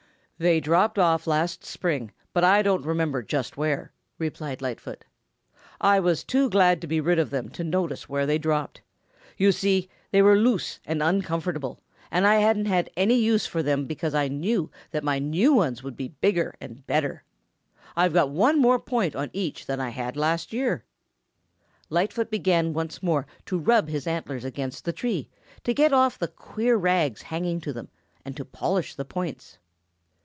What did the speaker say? "They dropped off last spring, but I don't remember just where," replied Lightfoot. "I was too glad to be rid of them to notice where they dropped. You see they were loose and uncomfortable, and I hadn't any more use for them because I knew that my new ones would be bigger and better. I've got one more point on each than I had last year." Lightfoot began once more to rub his antlers against the tree to get off the queer rags hanging to them and to polish the points.